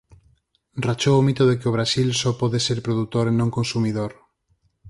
Rachou o mito de que o Brasil só pode ser produtor e non consumidor.